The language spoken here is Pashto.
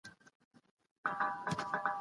هغه سړی ناوخته پوه سو چي تېروتی دی.